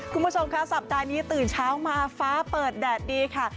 คุณผู้ชมค่ะสัปดาห์นี้ตื่นเช้ามาฟ้าเปิดแดดดีค่ะ